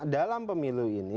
dalam pemilu ini